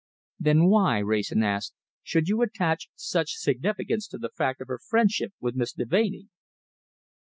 "Then why," Wrayson asked, "should you attach such significance to the fact of her friendship with Miss Deveney?"